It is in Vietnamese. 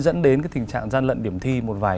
dẫn đến cái tình trạng gian lận điểm thi một vài